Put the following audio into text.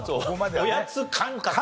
おやつ感覚１つ。